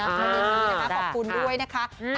แล้วนี้นะคะขอบคุณด้วยนะคะ